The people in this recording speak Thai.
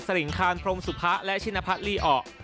สริงคานพรมสุภะและชินพะลีอ่อ